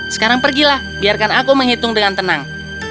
sekarang pergilah biarkan aku menghitung dengan tenang